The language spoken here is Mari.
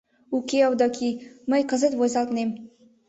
— Уке, Овдаки, мый кызыт войзалтнем.